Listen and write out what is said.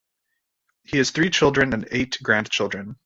He has three children and eight grandchildren.